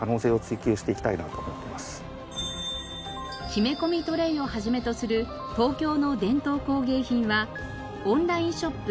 木目込みトレイを始めとする東京の伝統工芸品はオンラインショップ